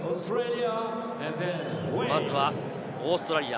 まずはオーストラリア。